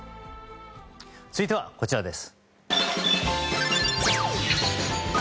続いてはこちらです。